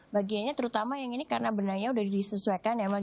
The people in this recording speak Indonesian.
bagiannya terutama yang ini karena benanya sudah disesuaikan ya mas